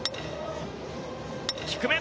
低め。